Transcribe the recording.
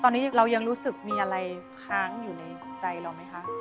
ตอนนี้เรายังรู้สึกมีอะไรค้างอยู่ในหัวใจเราไหมคะ